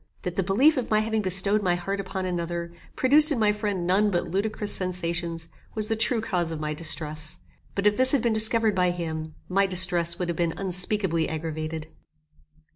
That the belief of my having bestowed my heart upon another, produced in my friend none but ludicrous sensations, was the true cause of my distress; but if this had been discovered by him, my distress would have been unspeakably aggravated.